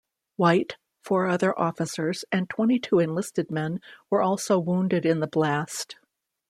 White, four other officers, and twenty-two enlisted men were also wounded in the blast.